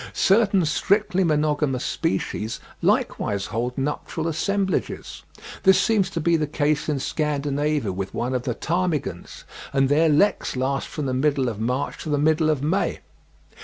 Certain strictly monogamous species likewise hold nuptial assemblages; this seems to be the case in Scandinavia with one of the ptarmigans, and their leks last from the middle of March to the middle of May.